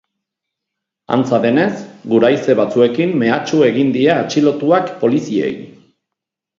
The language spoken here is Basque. Antza denez, guraize batzuekin mehatxu egin die atxilotuak poliziei.